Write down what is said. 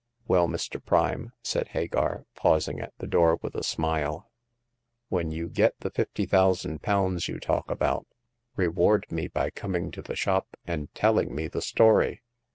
" Well, Mr. Prime," said Hagar, pausing at the door, with a smile, "when you get the fifty thousand pounds you talk about, reward me by coming to the shop, and telling me the story.